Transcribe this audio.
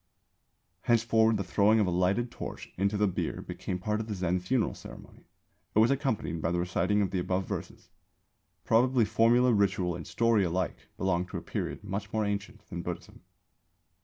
_ Henceforward the throwing of a lighted torch into the bier became part of the Zen funeral ceremony; it was accompanied by the reciting of the above verses. Probably formula, ritual, and story alike belong to a period much more ancient than Buddhism.